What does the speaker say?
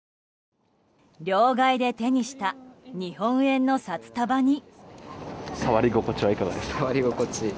両替で手にした日本円の札束に。